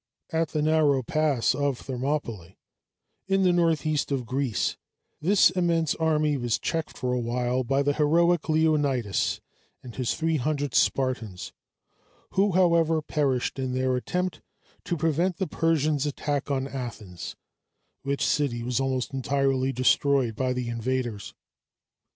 At the narrow pass of Thermopylæ, in the northeast of Greece, this immense army was checked for a while by the heroic Leonidas and his three hundred Spartans, who, however, perished in their attempt to prevent the Persian's attack on Athens, which city was almost entirely destroyed by the invaders.